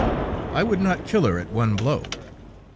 I would not kill her at one blow!